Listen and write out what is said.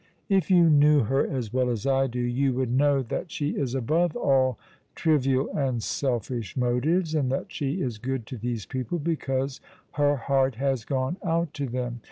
" If you knew her as well as I do you would know that she is above all trivial and selfish motives, and that she is good to these peoi3le because her heart has gone out to them."